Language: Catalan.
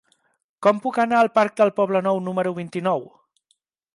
Com puc anar al parc del Poblenou número vint-i-nou?